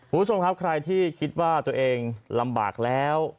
คุณผู้ชมครับใครที่คิดว่าตัวเองลำบากแล้ว